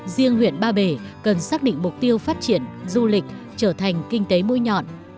riêng huyện ba bể cần xác định mục tiêu phát triển du lịch trở thành kinh tế mũi nhọn